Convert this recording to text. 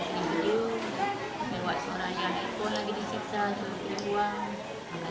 melewat seorang yang di depol lagi disiksa suruh dibuang